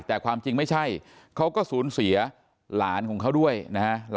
แต่ความจริงไม่ใช่เขาก็สูญเสียหลานของเขาด้วยนะฮะ